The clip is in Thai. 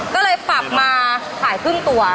ก็เลยปรับมาขายครึ่งตัว